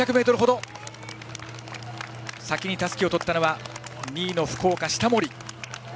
先にたすきをとったのは２位の福岡、下森。